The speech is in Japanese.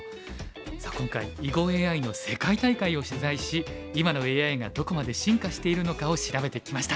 さあ今回囲碁ＡＩの世界大会を取材し今のＡＩがどこまで進化しているのかを調べてきました。